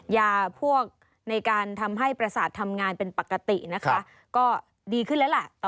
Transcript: ยาพวกในการทำให้ประสาททำงานเป็นปกตินะคะก็ดีขึ้นแล้วล่ะ